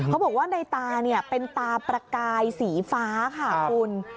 เขาบอกว่าในตาเป็นตาประกายสีฟ้าค่ะคุณ